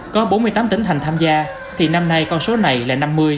có bốn mươi tám tỉnh thành tham gia thì năm nay con số này là năm mươi